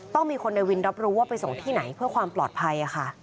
ต้องมีคนในวินรับรู้ว่าไปส่งที่ไหนเพื่อความปลอดภัยค่ะ